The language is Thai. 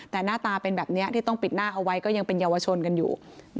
แต่หน้าตาเป็นแบบนี้ที่ต้องปิดหน้าเอาไว้ก็ยังเป็นเยาวชนกันอยู่